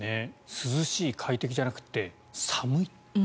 涼しい、快適じゃなくて寒い。